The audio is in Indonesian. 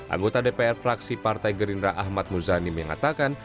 anggota dpr fraksi partai gerindra ahmad muzanim yang mengatakan